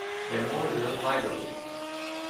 Memorial Library".